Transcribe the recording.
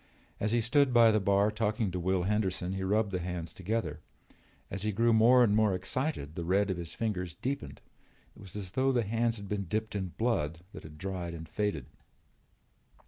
As he stood by the bar talking to Will Henderson he rubbed the hands together. As he grew more and more excited the red of his fingers deepened. It was as though the hands had been dipped in blood that had dried and faded.